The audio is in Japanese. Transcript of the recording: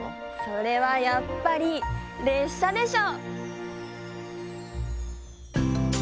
それはやっぱりれっしゃでしょ！